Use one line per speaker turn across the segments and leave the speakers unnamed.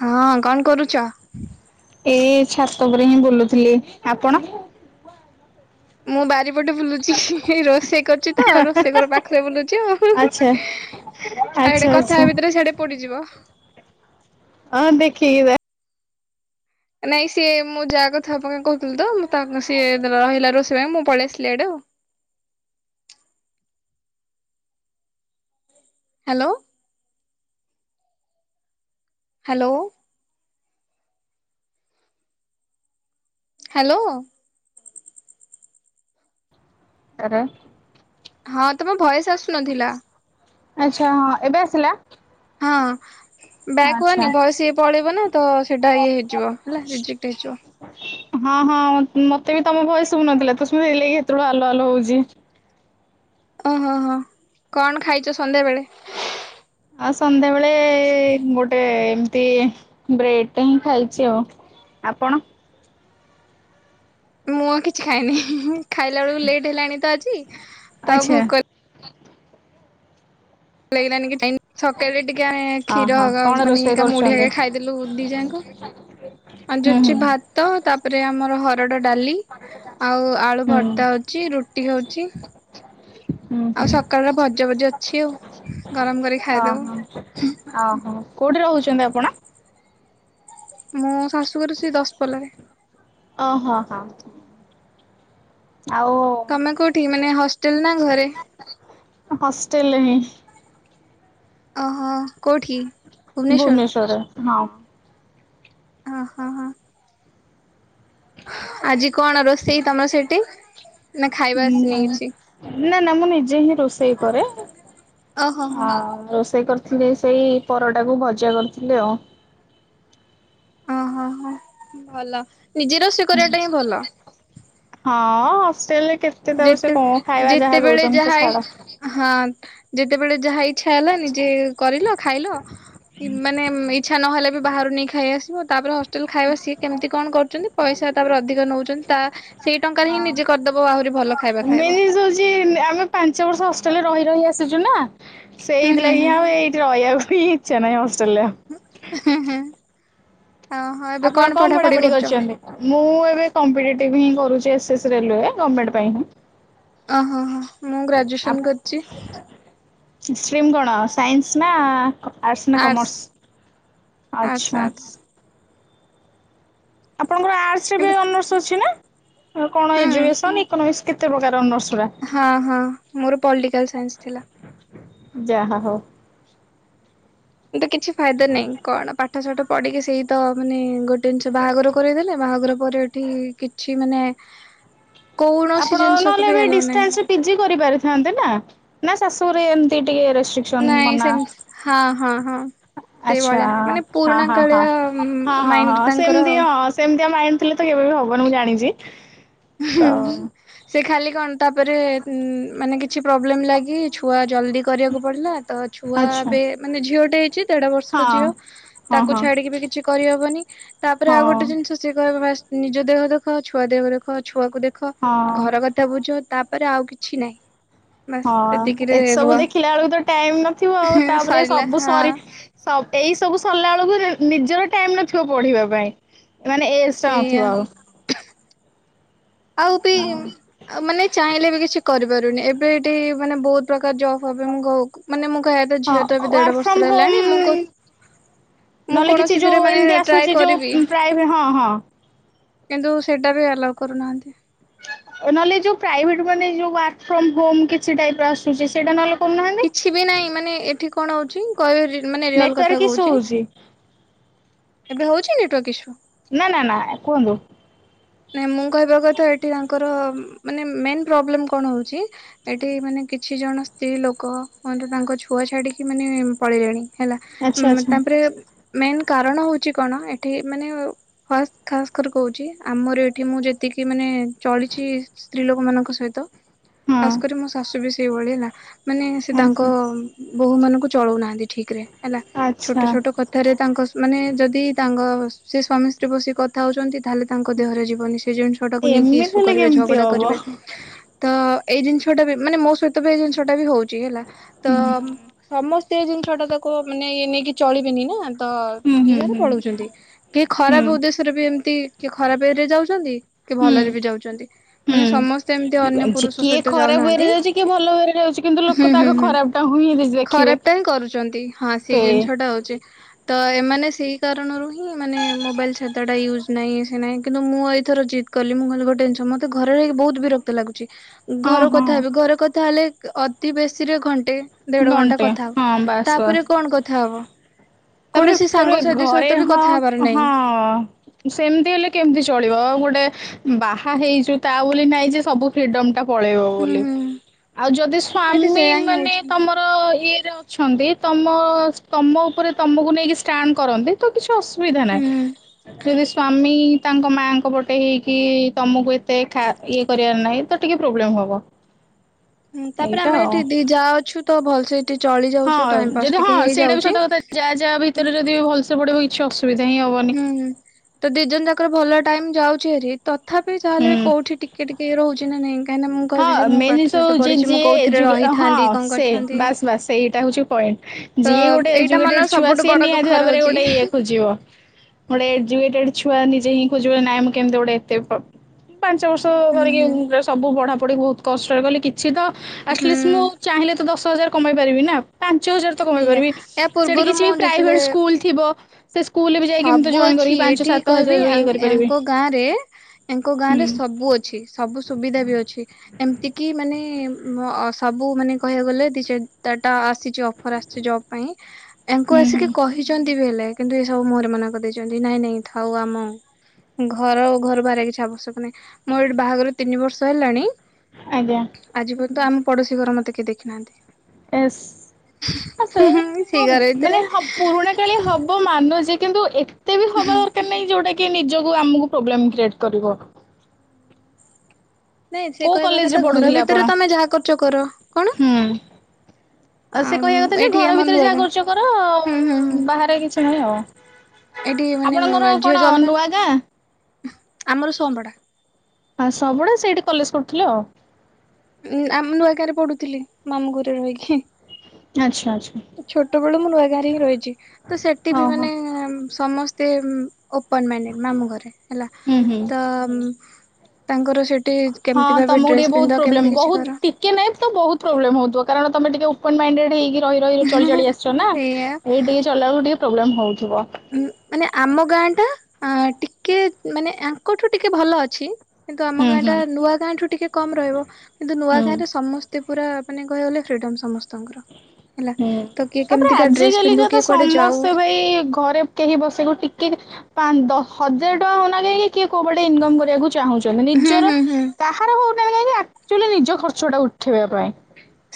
ହଁ କଣ କରୁଚ।
ଏଇ ଛାତ ଉପରେ ହିଁ ବୁଲୁଥିଲି ଆପଣ
ମୁଁ ବାରିପଟେ ବୁଲୁଛି ରୋଷେଇ କରୁଛି। ତ ରୋଷେଇ ଘର ପାଖରେ ବୁଲୁଛି ଆଉ। ଆଉ
ଆଚ୍ଛା
ଏଠେ
ଆଚ୍ଛା
କଥା
ଆଚ୍ଛା
ହେବା ଭିତରେ ସିଆଡ଼େ ପୋଡିଯିବ।
ହଁ ଦେଖିକି ବା
ନାଇଁ ସିଏ ମୁଁ ଯାହା କଥା ଆପଣଙ୍କୁ କହୁଥିଲି ତ ମୁଁ ତା ସିଏ ରହିଲା ରୋଷେଇ ପାଇଁ ମୁଁ ପଳେଇ ଆସିଲି ଇଆଡ଼େ ଆଉ। [inaudible] ହାଲୋ। ହାଲୋ। ହାଲୋ।
ଆରେ
ହଁ ତମ ଭଏସ ଆସୁନଥିଲା
ଆଚ୍ଛା ହଁ ଏବେ ଆସିଲା।
ହଁ ବ୍ୟାକ୍
ଆଚ୍ଛା।
ହୁଅନି ଭଏସ ଏଇ ପଳେଇବ ନା ତ ସେଟା ଇଏ ହେଇଯିବ ହେଲା ରିଜେକ୍ଟ୍ ହେଇଯିବ।
ହଁ ହଁ ମତେ ବି ତମ ଭଏସ୍ ଶୁଭୁ ନଥିଲା ତ ହେଇଥିଲଗି ସେତେବେଳୁ ହାଲୋ ହାଲୋ ହେଉଛି।
ଓହୋ ହଁ କଣ ଖାଇଛ ସନ୍ଧ୍ୟାବେଳେ?
ଆ ସନ୍ଧ୍ୟାବେଳେ ଗୋଟେ ଏମିତି ବ୍ରେଡ ଟା ହିଁ ଖାଇଛି ଆଉ। ଆପଣ
ମୁଁ ଆଉ କିଛି ଖାଇନି ଖାଇଲା ବେଳକୁ ଲେଟ୍ ହେଲାଣି ତ ଆଜି ତ
ଆଚ୍ଛା।
ଭୋକରେ ଲାଗିଲାନି କି ଟା ସକାଳେରେ ଟିକେ ଆମେ
ହଁ
କ୍ଷୀର
ହଁ କଣ
ମାନେ
ରୋଷେଇ
କାମ ଓଢିଆକ
କରୁଛନ୍ତି?
ଖାଇଦେଲୁ ଦି ଯାକ। ଆଜି
ହୁଁ ହୁଁ।
ଅଛି ଭାତ ତାପରେ ଆମର ହରଡ଼ ଡାଲି ଆଉ ଆଳୁ
ହୁଁ
ଭର୍ତ୍ତା ଅଛି ରୁ ହଉଛି।
ହୁଁ ହୁଁ
ଆଉ ସକାଳର ଭଜାଭଜି ଅଛି ଆଉ। ଗରମ କରି ଖାଇଦବୁ
ଅହ ଓହୋ କୋଉଠି ରହୁଛନ୍ତି ଆପଣ?
ମୁଁ ଶାଶୁଘର ସେ ଦଶପଲ୍ଲା ରେ
ଓ ହୋ ହଁ ଆଉ
ତମେ କୋଉଠି ମାନେ ହଷ୍ଟେଲ ନା ଘରେ?
ହଷ୍ଟେଲ ରେ ହିଁ।
ଅହୋ କୋଉଠି? ଭୁବନେଶ୍ଵର
ଭୁବନେଶ୍ଵରରେ ହଁ।
ଅ ହଁ ହଁ। ଆଜି କଣ ରୋଷେଇ ତମର ସେଇଠି?
ହୁଁ ନାଁ ନାଁ ନାଁ ମୁଁ ନିଜେ ହିଁ ରୋଷେଇ କରେ।
ଓହୋ ହୋ
ହଁ ରୋଷେଇ କର ଥିଲେ ସେଇ ପରଟାକୁ ଭଜା କରିଥିଲି ଆଉ।
ଓହୋ ହୋ ଭଲ ନିଜେ ର ସ କରିବା ଟା ହିଁ ଭଲ।
ହଁ ହଷ୍ଟେଲ ରେ କେତେ ତାର ସେ
ଯେତେ
କଣ ଖାଇବା ଯାହା
ଯେତେବେଳେ
ଦଉଛନ୍ତି ତ
ଯାହା
ଛାଡ।
ହଁ ଯେତେବେଳେ ଯାହା ଇ ଇଛା ହେଲା ନିଜେ କରିଲ ଖାଇଲ କି ମାନେ ଇଚ୍ଛା ନହେଲେ ବି ବାହାରୁ ନେଇ ଖାଇ ଆସିବ। ହୋଟେଲ ଖାଇବା ସି କେମିତି କଣ କରୁଛନ୍ତି ପଇସା ତାପରେ ଅଧିକ ନଉଛନ୍ତି ତା ସେଇ ଟଙ୍କାରେ ହିଁ ନିଜେ କରିଦବ ଆହୁରି ଭଲ ଖାଇବା
ମେ
ଖାଇବ।
[inaudible] ଆମେ ପାଞ୍ଚ ବର୍ଷ ହଷ୍ଟେଲରେ ରହି ରହି ଆସିଛୁ ନାଁ।
ହୁଁ ହୁଁ
ସେଇଥିଲାଗି
ହୁଁ
ଆଉ ଏଇଠି ରହିବାକୁ ହିଁ ଇଚ୍ଛା ନାହିଁ ହଷ୍ଟ୍ରେଲେ ରେ।
ହୁଁ ହୁଁ ଓହୋ ଏବେ
ଆପଣ କଣ ପଢାପଢି
କରୁଛ?
କରିଛନ୍ତି ମୁଁ ଏବେ କମ୍ପିେଟିଭ ହିଁ କରୁଛି ଏସ ଏସ ରେଲୁୟେ ଗମେଣ୍ଟ ପାଇଁଁ
ଓହୋ ହ ମୁଁ ଗ୍ରାଜୁଏସନ କରିଛି।
ଷ୍ଟିମ୍ କଣ ସାଇସି ନାଁ ଆରସ ନା
ଆର୍ଟସ
କମର୍ସ
ଆର୍ଟସ
ଆଚ୍ଛା
ଆର୍ଟସ।
ଆପଣଙ୍କର ଆର୍ଟସ ରେ ବି
କିନ୍ତୁ
ଅନର୍ସ ଅଛି ନା କଣ
ହୁଁ
ଏଜୁକେସନ ଇକନୋମିକ୍ସ କେତେ ପ୍ରକାର ଅନର୍ସ ଗୁରା
ହଁ ହଁ ମୋର ପଲିଟିକାଲ ସାଇନ୍ସ ଥିଲା।
ଯାହା ହୋଉ।
ତ କିଛି ଫାଇଦା ନାହିଁ କଣ ପାଠ ଶାଠ ପଢିକି ସେଇ ତ ମାନେ ଗୋଟେ ବାହାଘରକରେଇଦେଲେ ବାହାଘର ପରେ ଏଠି କିଛି ମାନେ କୌଣସି
ଆପଣ
ଜିନିଷକୁ
ନହେଲେ
ବି
ଏବେ
ଆଲାଉ ନାହିଁ
ଡିସଚାନ୍ସ ପିଜି କରିପାରିଥାନ୍ତେ ନାଁ ଶାଶୁଘରେ ଏମିତି ଟିକେ ରେଷ୍ଟ୍ରିକସନ
ନାଇଁ ସେମ୍ ହଁ ହଁ ହଁ।
ଆଛା
ସେଇଭଳିଆ ମାନେ
ହଁ
ପୁରୁଣା
ହଁ ହଁ
କାଳିଆ
ହଁ ହଁ
ମାଇଣ୍ଡ
ହଁ
ତାଙ୍କର
ସେମତି
ଆଉ।
ହଁ ସେମତି ଆଣିଥିଲେ ତ କେବେ ବି ହବନି ମୁଁ ଜାଣିଛି। ତ
ହୁଁ ସେ ଖାଲି କଣ ତାପରେ ମାନେ କିଛି ପ୍ରୋବ୍ଲେମ ଲାଗି ଛୁଆ ଜଲ୍ଦି କରିବାକୁ ପଡ଼ିଲା ତ ଛୁଆ
ଆଚ୍ଛା
ଏବେ ମାନେ ଝିଅଟେ ହେଇଛି। ଦେଢ ବର୍ଷର
ହଁ
ଝିଅ
ହଁ
ତାକୁ
ହଁ
ଛାଡିକି ବି କିଛି କରିହବନି। ତାପରେ
ହଁ
ଆଉ ଗୋଟେ ଜିନିଷ ସିଏ କହିବ ନିଜ ଦେହ ଦେଖାଅ ଛୁଆ ଦେହ ଦେଖା ଛୁଆକୁ ଦେଖ
ହଁ।
ଘର କଥା ବୁଝ ତାପରେ ଆଉ କିଛି ନାହିଁ। ବାସ୍
ହଁ
ସେତିକିରେ
ଏ
ରୁହ
ସବୁ ଦେଖିଲା ବେଳକୁ ତ ଟାଇମ ନଥିବ ଆଉ ତାପରେ
ସରିଲା
ସବୁ
ହଁ
ସରି ଏଇ ସବୁ ସରିଲା ବେଳକୁ ନିଜର ଟାଇମ ନଥିବ ପଢିବା ପାଇଁ। ମାନେ ଏଜ ଟା
ସେଇଆ
ନଥିବ ଆଉ।
ଆଉ ବି ମାନେ ଚାହିଁଲେ ବି କିଛି କରିପାରୁନି ଏବେ ଏଠି ମାନେ ବହୁତ ପ୍ରକାର ଜବ୍ ହବ ମୁଁ କ ମାନେ ମୁଁ କହିବା ତ ଝିଅ ତ ଏ
ହଁ
ଦେଢ
ୱାର୍କ ଫ୍ରମ
ବର୍ଷର
ହୋମ
ହେଲାଣି ମୁଁ କ ମୁଁ
ନହେଲେ କିଛି
କୌଣସିଥିରେ
ଯୋଉ
ମାନେ
ଏମିତି
ଟ୍ରାଏ
ଆସୁଛି ଯୋଉ
କରିବି।
ପ୍ରାଇଭେ ହଁ ହଁ।
କିନ୍ତୁ ସେଇଟା ବି ଆଲାଉ କରୁନାହାନ୍ତି।
ନହେଲେ ଯୋଉ ପ୍ରାଇଭେଟ ମାନେ ଯୋଉ ୱାର୍କ ଫ୍ରମ ହୋମ କିଛି ଟାଇପ ଆସୁଛି ସେଇଟା ନହେଲେ କରୁନାହାନ୍ତି।
କିଛି ବି ନାହିଁ ମାନେ ଏଠି କଣ ହଉଛି କହିବି ମାନେ ରିଅଲ କଥା
ନେଟୱାର୍କ ଇସୁ
କହୁଛି।
ହଉଛି
ଏବେ ହୋଉଛି ନେଟୱର୍କ ଇସୁ।
ନାଁ ନାଁ ନାଁ କୁହନ୍ତୁ।
ନାଇଁ ମୁଁ କହିବା କଥା ଏଠି ତାଙ୍କ ତାଙ୍କର ମାନେ ମେନ ପ୍ରବଲେ କଣ ହଉଛି ଏଠି ମାନେ କିଛି ଜଣ ସ୍ତ୍ରୀ ଲୋକ ତାଙ୍କ ଛୁଆ ଛାଡିକି ମାନେ ପଳେଇିଲାଣି ହେଲା
ଆଚ୍ଛା ଆଚ୍ଛା
ତାପରେ ମେନ୍ କାରଣ ହଉଛି କଣ ଏଠି ମାନେ ଫାଷ୍ଟ ଖାସ୍କ କହୁଛି। ଆମର ଏଠି ମୁଁ ଯେତିକି ମାନେ ଚଳିଛି ସ୍ତ୍ରୀ ଲୋକ ମାନଙ୍କ ସହିତ
ହଁ।
ଖାସ କରି ମୋ ଶାଶୁ ବି ସେଇଭଳି ହେଲା ମାନେ ସେ ତାଙ୍କ
ଆଚ୍ଛା
ବୋୂ ମାନଙ୍କୁ ଚଳଉନାହାନ୍ତି ଠିକ ରେ ହେଲା ଛୋଟ
ଆଚ୍ଛା
ଛୋଟ କଥାରେ ତାଙ୍କ ମାନେ ଯଦି ତାଙ୍କ ସେ ସ୍୍ୱାମୀ ସ୍ତ୍ରୀ ବସିକି କଥା ହଉଛନ୍ତି ତାହେଲେ ତାଙ୍କ ଦେହରେ ଜୀବନି ସେ ଜିନିଷ ଟାକୁ ନେଇକି
ଏମିତି
ଇସୁ
ହେଲେ
କରିବେ
କେମିତି
ଝଗଡା
ହବ
କରିବେ ତ ଏଇ ଜିନିଷଟା ବି ମାନେ ମୋ ସହିତ ବି ଏଇ ଜିନିଷ ଟା ବି ହଉଛି ହେଲା ତ
ହୁଁ।
ସମସ୍ତ ସେ ଜିନିଷ ଟା ତାକୁ ମାନେ ଇଏ ନେଇକି ଚଳିବେନି ନା ତ
ହୁଁ ହୁଁ
ଯିଜାରେ
ହୁଁ
ପଳଉଛନ୍ତି କେ ଖରାପ
ହୁଁ
ଉଦ୍ଦେଶ୍ୟରେ ବି ଏମିତି କିଏ ଖରାପ ଏରେ ଯାଉଛନ୍ତି କି ଭଲରେ
ହୁଁ
ବି ଯାଉଛନ୍ତି ମାନେ ସମସ୍ତେ ଏମିତି ଅନ୍ୟ
ହୁଁ। ଯେ
ପୁରୁଷ
କିଏ
ସହିତ
ଖରାପ ୱେରେ
ଯାଉନାହାନ୍ତି।
ଯାଉଛି କିଏ ଭଲ ୱେରେ ଯାଉଛି କିନ୍ତୁ
ହଁ
ଲୋକ ତ
ହୁଁ
ଆଗ
ହୁଁ
ଖରାପ ଟା ହିଁ ଦେଖିବେ।
ଖରାପ ଟା ହିଁ କରୁଛନ୍ତି ହଁ ସେ ଏ ସେଇ କାରଣ ହ ମାନ ମୋଲଟା। ନାଇଁ କିନ୍ତୁ ମୁଁ ଏଇଥର ଜିତ୍ କଲି ମୁଁ କହେ ଗେନନ୍ ମତେ ଘରେ ବହୁତ ବିକ୍ତ ଲାଗୁଛି।
ହଁ
ଘର
ହଁ
କଥା ହେବି ଘରେ କଥା ହେଲେ ଅତି ବେଶୀ ରେ ଘଣ୍ଟେ ଦେଢ ଘଣ୍ଟା
ଘଣ୍ଟେ
କଥା
ହଁ
ହବ
ବାସ୍ ବାସ୍
ତାପରେ କଣ କଥା ହବ।
ତାପରେ
କୌଣସି
ତାପରେ
ସାଙ୍ଗସାଥି ସହିତ
ଘରେ
ବି କଥା
ହଁ
ହବାର ନାହିଁ।
ହଁ ସେମିତି ହେଲେ କେମତି ଚଳିବ ଗୋଟେ ବାହା ହେଇଚୁ ତା ବୋଲି ନାଇଁ ଯେ ସବୁ ଫ୍ରିଡମ ଟା ପଳେଇବ
ହୁଁ
ବୋଲି
ହୁଁ
ଆଉ ଯଦି
ଏଠି
ସ୍ଵାମୀ
ସେଇୟା ହିଁ
ମାନେ
ହଉଛି
ତମର ଅ ତମ ତମ ଉପରେ ତମକୁ ନେଇକି ଷ୍ଟାଣ୍ଡ କରନ୍ତି ତ କି? ଅସୁବିଧା ନାହିଁ
ହୁଁ।
ଯଦି ସ୍ଵାମୀ ତାଙ୍କ ମାଆଙ୍କ ପଟେ ହେଇକି ତମକୁ ଏତେ ଇଏ କରିବାର ନାହିଁ ତ ଟିକେ ପ୍ରୋବ୍ଲେମ ହବ।
ହଁ ତାପରେ
ଏଇଟା
ଆମେ
ଆଉ।
ଏଠି ଦି ଯା ଅଛୁ ତ ଭଲ
ହଁ ଯଦି ହଁ ସେଇଟା ବି
ହେଇଯାଉଛି।
ସତ କଥା ଯାହା ଯାହା ଭିତରେ ଯଦି ଭଲସେ ପଡିବ ହ
ହୁଁ ହୁଁ ତ ଦିଜଣ ଯାକର ଭଲ ଟାଇମ ଯାଉଛି ହେରି। ତଥାପି
ହୁଁ
ଯାହାେଲେ ବି କୋଉଠି ଟିକେଟ୍ କି ରହୁଛି ନା ନାଇଁ କାହିଁକି ନା ମୁଁ କହିବି ଯେ
ହଁ
ମୁଁ
ମେନ୍
ପାଠ
ଜିନିଷ
ସାଠ
ହଉଛି
ପଢିଛି ମୁଁ କୋଉଥିରେ
ଯି ଏ ହଁ
ରହିଥାନ୍ତି କଣ
ସେ
କରିଥାନ୍ତି
ବାସ୍ ବାସ୍ ସେଇଟା ହଉଛି ପଏଣ୍ଟ
ତ
ଯିଏ ଗୋଟେ
ଏଇଟା
ଏଜୁେଟେଡ
ମନର
ଛୁଆ
ସବୁଠୁ
ସିଏ
ବଡ
ନିହାତି
ଦୁଃଖ
ଭାବରେ
ରହୁଛି
ଗୋଟେ ଇଏକୁ ଯିବ। ଗୋଟେ ଏଟେ। ଛୁଆ ନିଜେ ହିଁ ଖୋଜିବ ନାଇଁ ମୁଁ କେମିତି ଗୋଟେ ଏତେ ପାଞ୍ଚ ବର୍ଷ
ହୁଁ
ଧରିକି
ହୁଁ
ସବୁ ବଢା ପି ବହୁତ କଷ୍ଟରେ କଲେ କିଛି ତ
ହୁଁ
ଆଟଲିଷ୍ଟ ମୁଁ ଚାହିଁଲେ ତ ଦଶ ହଜାର କମାଇ ପାରିବି ନା ଞ୍ଚ ହାର କମ
ସେଇଆ
ପାରିବ
ୟା
ସେଠି
ପୂର୍ବରୁ
କିଛି
ମୁଁ
ପ୍ରଭେଟ
ଯେତେବେଳେ
ସ୍ଲ ଥିବ ସେ ସ୍କୁଲରେ ବି ଯାଇକି ମୁଁ ତ
ସବୁ
ଜଏନ୍
ଅଛି
କରିକି ପାଞ୍ଚ
ଏଠି
ସାତ
କହିବି
ହଜାର ଇଏ କରିପାରିବି।
ଆଙ୍କ ଗାଁ ରେ ଏଙ୍କ ଗାଁ
ହୁଁ
ରେ ସବୁ ଅଛି ସବୁ ସୁବିଧା ବି ଅଛି ଏମତି କିି ମାନେ ସବୁ ମାନେ କହିବାକୁ ଗଲେ ଦ ତାଟା ଆସିଛି ଅଫର ଆସିଛି ଜିବା ପାଇଁ। ଏହାଙ୍କୁ
ହୁଁ ହୁଁ
ଆସିକି କହିଛନ୍ତି ବି ହେଲେ କିନ୍ତୁ ଏସବୁ ମୁହରେ ମନା କରିଦେଇଛନ୍ତି ନାଇଁ ନାଇଁ ଥାଉ ଆମ ଘର ଆ ଘରୁ ବାହାରାରେ କିଛି ଆବଶ୍ୟକ ନାହିଁ ମୋର ଏଠି ବାହାଘର ତିନି ବର୍ଷ ହେଲାଣି।
ଆଜ୍ଞା।
ତ ଆମେ ପଡୋଶୀ ଘର ମତେ କିଏ ଦେଖିନାହାନ୍ତି।
ଏ ଆସ
ସେଇ
କିନ୍ତୁ
ଘର ଭିତରେ
ମାନେ ପୁରୁଣା କାି ହବ ମାନ ଯ କିନ୍ତୁ ଏତେ ବି ହବା ଦରକାର ନାହିଁ ଯୋଉଟାକ ିକଏ ନିଜକୁ ଆମକୁ ପ୍ରୋବ୍ଲେମ କ୍ରିଏଟ କରିବ।
ନାଇଁ ସେ
କୋଉ
କହିବା
କଲେଜରେ
କଥା ଘର
ପଢୁଥିଲେ
ଭିତରେ
ଆପଣ?
ତମେ ଯାହା କରୁଛ କର କଣ?
ହୁଁ ଆଉ ସେ କହିବା କଥା ଯେ
ଏଇଠି
ଘର
ଆମ
ଭିତରେ
ନୂଆ
ଯାହା
ଗାଁ
କରୁଛ କର
ହୁଁ
ବାହାରେ କିଛି ନାହିଁ ଆଉ।
ଏଠି
ଆପଣଙ୍କର
ମାନେ ଝିଅ
କଣ ନୂଆ ଗାଁ
ଜନ୍ମର ଆମର ସପଡା
ଆ ସବୁଡା ସେଇଠି କଲେଜ କରୁଥିଲ ଆ
ଉ ଆମ ନୂଆ ଗାଁରେ ପଡୁଥିଲି ମାମୁଁ ଘରେ ରହିକି
ଆଛା।
ଛୋଟ ବେଳୁ ମୁଁ ନୂଆ ଘରେ ହିଁ ରହିଛି ତ ସେଠି ବି
ଓହୋ
ମାନେ ସମସ୍ତ ଓପନ ମାଇ ମାମୁଁ ଘରେ ହେଲା
ହୁଁ ହୁଁ।
ତ ତାଙ୍କର ସେ କେମିତି ଭା ଡ୍ରେସ ପିନ୍ଧ କେମିତି
ବ
କିଛି କର।
ଟିକେ ନାଇଁ ତ ବହୁତ ପ୍ରୋବଲେମ ହଉଥିବ କାରଣମେ ଟିକେ ଓନ ମାଇଣ୍ଡେଇ ରହି ରହି ଚଳି ଚି ଆସିଛ ନା
ସେଇଆ
ଏଇ ଟିକେ ଚଲକୁ ଟିକେ ପ୍ରୋବ୍ଲେମ ହଉଛି।
ଉ ମାନେ ଆମ ଗାଁ ଟା ଆ ଟିକେ ମାନେ, ଆଙ୍କଠୁ ଟିକେ ଭଲ ଅଛି। କିନ୍ତୁ ଆମ
ହୁଁ
ଗାଁ
ହୁଁ
ଟା ନୂଆ ଗାଁ ଠୁ ଟିକେ କମ ରହିବ କିନ୍ତୁ ନୂଆ ଗାଁ
ହୁଁ।
ରେ ସମସ୍ତେ ପୁରା ମାନେ କହଗଲେ ଫ୍ରିଡମ ସମସ୍ତଙ୍କର ହେଲା।
ହୁଁ,
ତ କିଏ
ତାପରେ
କେମିତିକା ଡ୍ରେସ ପିନ୍ଧୁ
ଆଜିକାଲିକା ତ
କିଏ କୁଆଡେ ଯାଉ
ସମସ୍ତେ ଭାଇ ଘରେ କେହି ବସକୁ ଟିକେ ଦଶ ହଜାର ଟଙ୍କା ହଉନା କହିକ କିଏ କୋଉ ବାଟେ ଇନକମ କରିବାକୁ ଚାହୁଁଛନ୍ତି
ହୁଁ
ନିଜର
ହୁଁ ହୁଁ
କାହାର ହଉନା କାହିଁକି ଆଚୁଆଲି ନିଜ ଖର୍ଚ୍ଚଟା ଉଠେଇବା ପାଇଁ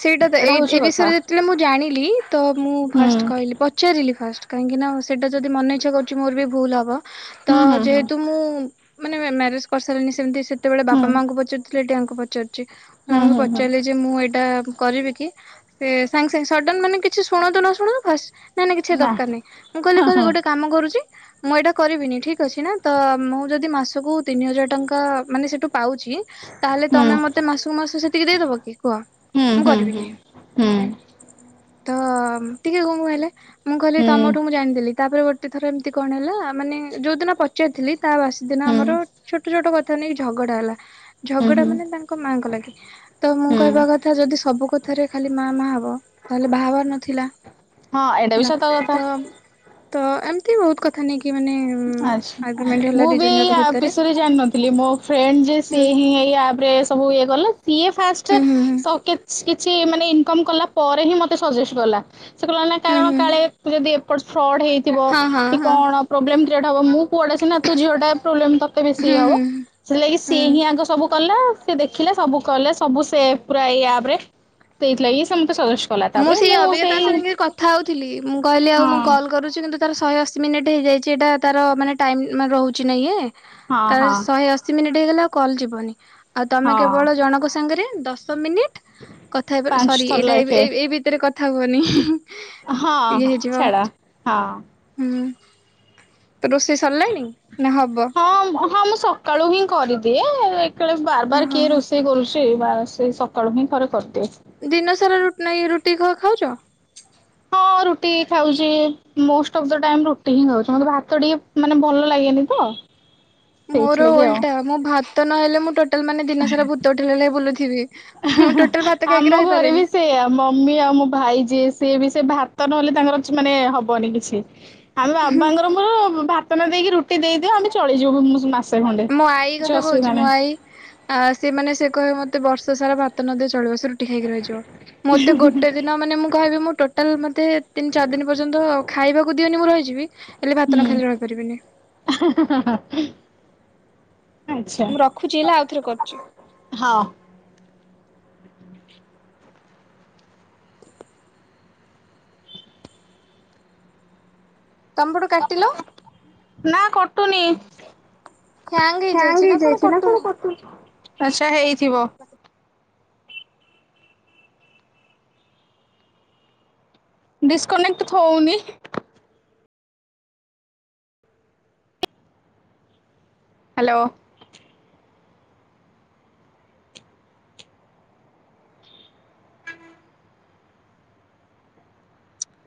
ସେଇଟା ତ
ଏଇଟା
ଏ
ହଉଛି
ଏ
କଥା
ବିଷୟରେ ଯେତେବେଳେ ମୁଁ ଜାଣିଲି ତ ମୁଁ
ହୁଁ।
ଫାଷ୍ଟ କହିଲି, ପଚାରିଲି ଫାଷ୍ଟ କାହିଁକି ନା ସେଇଟା ଯଦି ମନେ ଇଚ୍ଛା କରୁଛି ମୋର ବି ଭୁଲ ହବ ତ
ହୁଁ ହୁଁ ହୁଁ
ଯେହେତୁ ମୁଁ ମାନେ ମ୍ୟାରେଜ କରିସାରିଲିନି ସେମିତି ସେତେବେଳେ
ହୁଁ
ବାପା ମାଙ୍କୁ ପଚାରୁିଥିଲେ ଏଠି ଆଙ୍କୁ ପଚାରୁ
ହୁଁ
ୟାଙ୍କୁ
ହୁଁ ହୁଁ
ପଚାରିଲି ଯେ ମୁଁ ଏଇଟା କରିବି କି ସେ ସାଙ୍ଗେ ସାଙ୍ଗେ ସଡନ ମାନେ କିଛି ଶୁଣନ୍ତୁ ନ ଶୁଣନ୍ତୁ ଫ ନାଇଁ ନାଇଁ କିଛି
ନା
ଦରକାର ନାହିଁ, ମୁଁ କହିଲି
ହଁ
କହିଲି
ହଁ
ଗୋଟେ କାମ କରୁଛି ମୁଁ ଏଇଟା କରିବିନି ଠିକ ଅଛି ନା ତ ମୁଁ ଯଦି ମାସକୁ ତିନି ହଜାର ଟଙ୍କା ମାନେ ସେଠୁ ପାଉଛିି ତାହେଲେ ତମେ ମତେ
ହୁଁ
ମାସକୁ ମାସ ସେତିକି ଦେଇଦବ କି କୁହ?
ହୁଁ
ମୁଁ
ହୁଁ ହୁଁ
କରିବିନି
ହୁଁ
ତ ଟିକେ ଗୁଁ ଗୁଁ ହେଲେ, ମୁଁ କହିଲି ତମଠୁ ମୁ
ହୁଁ
ଜାଣିଦେଲି । ତାପରେ ଗୋଟେ ଥର ଏମିତି କଣ ହେଲା ମାନେ ଯୋଉ ଦିନ ପଚାରିଥିଲି ତା ବାସ ଦିନ ଆମର ଛୋଟ ଛୋଟକଥା ନେଇକି ଝଗଡା ହେଲା,
ହୁଁ
ଝଗଡା ମାନେ ତାଙ୍କ ମାଙ୍କ ଲାଗି ତ ମୁଁ
ହୁଁ
କହିବା କଥା ଯଦି ସବୁ କଥାରେ ଖାଲି ମା ମା ହବ, ତାହଲେ ବାହାଘର ନଥିଲା
ହଁ ଏଇଟା ବି
ହେଲା
ସତ କଥା।
ତ, ତ ଏମିତି ବହୁତ କଥା ନେଇକି ମାନେ
ଆଛା,
ଆର୍ଗୁମେଣ୍ଟ ହେଲା
ମୁଁ
ଦି
ବି
ଜଣ
ଏଇ
ଯାକ
ଆପ
ଭିତରେ
ବିଷୟରେ ଜାଣିିନଥିଲି ମୋ ଫ୍ରେଣ୍ଡ ଯେ
ହୁଁ
ସିଏ ହିଁ ବୁ ଇ ଗ ସି
ହୁଁ ହୁଁ
ଫ
ହୁଁ
[unintelligible] କିଛି ମାନେ ଇନକମ କଲା ପରେ ହିଁ, ମତେ ସଜେଷ୍ଟ କଲା, ସେ କହିଲା
ହୁଁ
କାରଣ
ହୁଁ
କାଳେ ଯଦି ଫ୍ରଡ଼ ହେଇଥିବ
ହଁ ହଁ
କି
ହଁ
କଣ ପ୍ରୋବ୍ଲେମ କ୍ରିଏଟ୍ ହବ ମୁଁ କୁଆଡେ ସିନା ତୁ ଝିଅ ଟା ପ୍ରୋବଲେମ ତତେ ବେଶୀ
ହୁଁ
ହବ,
ହୁଁ
ସେହି ଲାଗି ସିଏ
ହୁଁ
ହିଁ ଆଗ ସବୁ କଲା ସେ ଦେଖିଲା ସବୁ କଲେ ସବୁ ସେ ପୁରା ଏଇ ଆପ ରେ, ସେଇଥିଲାଗି ସିଏ ମତେ ସଜେଷ୍ଟ କଲା
ମୁଁ ସେଇ ଅବିକା ତା ସାଙ୍ଗେ କଥା ହଉଥିଲି -ମୁଁ କହିଲି ଆଉ ମୁଁ
ହଁ
କଲ୍ କରୁଛି, କିନ୍ତୁ ତାର ଶହେ ଅଶୀ ମିନିଟ୍ ଏଟା ତାର ମାନେ ଟାଇମ ରହୁଛି ନା ଇଏ,
ହଁ
ତ
ହଁ
ଶହେ ଅ ଆଉ କଲ ଯିବନି ଆଉ ତମେ
ହଁ
କେବଳ ଜଣଙ୍କ ସାଙ୍ଗରେ ଦଶ ମିନିଟ କଥା ହେ,
ପାଞ୍ଚ
ସରି
ଥର
ଏଇଟା
ଲାଖେ
ଏ ଏଇ ଭିତରେ କଥା ହୁଅନି
ହଁ
ଇଏ
ହଁ
ହେଇଯିବ।
ଛାଡ, ହଁ
ହୁଁ ତ ରୋଷେଇ ସରିଲାଣି, ନା ହବ---?
ହଁ ହଁ ମୁଁ ସକାଳୁ ହିଁ କରିଦିଏ, ଏକ ବାର ବାର
ଓହୋ
କିଏ ରୋଷେଇ କରୁଛି? ସେ ବା ସେ ସକାଳୁ ହିଁ ଥରେ କରିଦିଏ ।
ଦିନ ସାରା ନାଇ ରୁଟି ଖାଉଛ?
ହଁ ରୁଟି ଖାଉଛି ମୋଷ୍ଟ ଅଫ୍ ଦ ଟାଇମ ରୁଟି ହିଁ ଖାଉଛି ମତେ ଭାତ ଟିକେ ମାନେ ଭଲ ଲାଗେନି ତ
[inaudible] ମୋର
ସେଇଥିଲାଗି ଆଉ।
ଓଲଟା ମୁଁ ଭାତ ନହେଲେ, ମୁଁ ଟୋଟାଲ ମାନେ ଦିନ ସାରା ଭୂତ ଉଠେଇଲା ଭଳିଆ ବୁଲୁଥିବି ।
ଆମ ଘରେ ବି ସେଆ ମମି ଆଉ ମୋ ଭାଇ ଯିଏ ସିଏ ବି ସେ ଭାତ ନହଲେ ତାଙ୍କର ମାନେ ହବନି କିଛି, ଆମେ ବାବାଙ୍କର ମୋର ଭାତ ନ ଖାଇକି ରୁ ଦେଇଦିଅ ଆମେ ଚଳିଯିବୁ ।
ମୋ ଆଈ କଥା କହୁଛି, ମୋ ଆଈ ସେମାନେ ସେ କହେ ମତେ ମତେ ବର୍ଷସାରା ଭାତ ନଦିଅ ଚଳିବ । ରୁଟି ଖାଇକି ରହିିଯିବ, ମୋତେ ଗୋଟେ ଦିନ ମାନେ ମୁଁ କହିବି- ମୁଁ ଟୋଟାଲ ମୋତେ ତିନ ଚାରି ଦିନ ପର୍ଯ୍ୟନ୍ତ ଖାଇବାକୁ ଦିଅନି ମୁଁ ରହିଯିବି, ହେଲେ ଭାତ ନ ଖାଇକି ରହିପାରିବିନି ।
[unintelligible] ଆଚ୍ଛା
ମୁଁ ରଖୁଛି ହେଲା ଆଉଥରେ କରୁଛି ।
ହଁ
ତମ ପଟୁ କାଟିଲ?
ନା କଟୁନି । ହ୍ୟାଙ୍ଗ ହେଇଯାଇଚିନା କଣ କଟୁନି, ଆଛା ହେଇଥିବ ଡିସକନେକ୍ଟ ଥଉନି ହ୍ୟାଲୋ